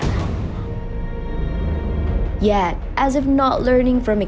namun seperti tidak belajar dari pengalaman